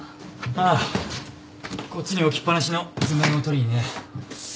ああこっちに置きっ放しの図面を取りにね。